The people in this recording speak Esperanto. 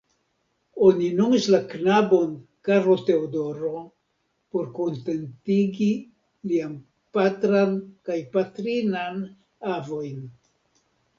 Oni nomis la knabon Karlo-Teodoro por kontentigi liajn patran kaj patrinan avojn.